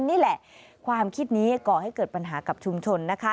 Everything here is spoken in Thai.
นี่แหละความคิดนี้ก่อให้เกิดปัญหากับชุมชนนะคะ